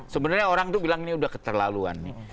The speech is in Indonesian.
sebenarnya orang itu bilang ini udah keterlaluan nih